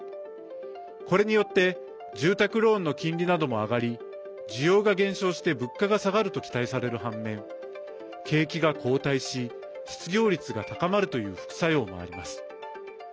これによって住宅ローンの金利なども上がり需要が減少して物価が下がると期待される半面景気が後退し、失業率が高まるという副作用もあります。